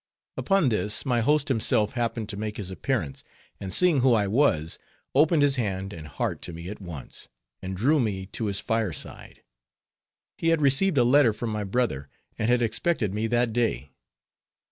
Upon this my host himself happened to make his appearance, and seeing who I was, opened his hand and heart to me at once, and drew me to his fireside; he had received a letter from my brother, and had expected me that day.